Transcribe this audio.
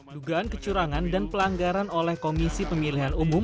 dugaan kecurangan dan pelanggaran oleh komisi pemilihan umum